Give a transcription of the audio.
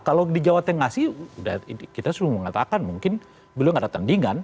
kalau di jawa tengah sih udah kita semua mengatakan mungkin beliau nggak datang di jawa tengah